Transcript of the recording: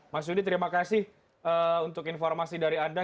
mas yudi terima kasih untuk informasi dari anda